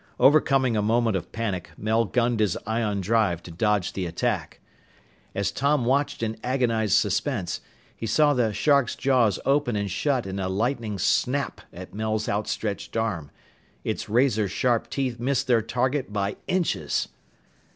Overcoming a moment of panic, Mel gunned his ion drive to dodge the attack. As Tom watched in agonized suspense, he saw the shark's jaws open and shut in a lightning snap at Mel's outstretched arm. Its razor sharp teeth missed their target by inches!